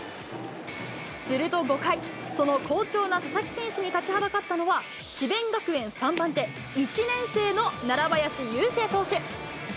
すると５回、その好調な佐々木選手に立ちはだかったのは、智弁学園３番手、１年生の楢林勇生投手。